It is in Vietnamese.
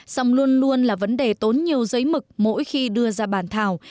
song luôn luôn là vấn đề tốn nhiều giấy mực mỗi khi đưa ra bản thảo